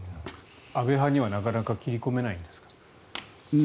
安倍派にはなかなか切り込めないんですか？